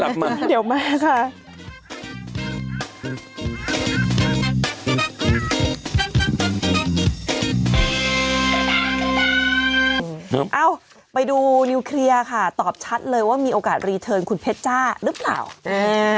อ้าวไปดูคลีย์ค่ะตอบชัดเลยว่ามีโอกาสคุณเพชรจ้าหรือเปล่าอ่า